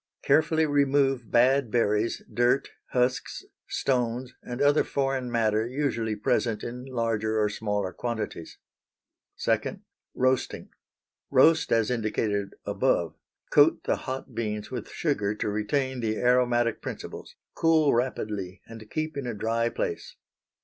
_ Carefully remove bad berries, dirt, husks, stones, and other foreign matter usually present in larger or smaller quantities. 2. Roasting. Roast as indicated above. Coat the hot beans with sugar to retain the aromatic principles; cool rapidly and keep in a dry place.